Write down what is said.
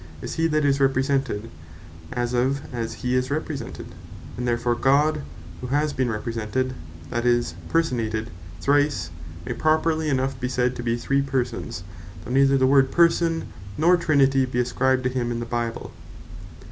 is he that is Represented, as often as hee is Represented; and therefore God, who has been Represented (that is, Personated) thrice, may properly enough be said to be three Persons; though neither the word Person, nor Trinity be ascribed to him in the Bible.